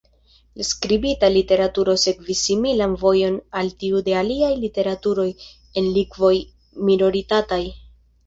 La skribita literaturo sekvis similan vojon al tiu de aliaj literaturoj en lingvoj minoritataj.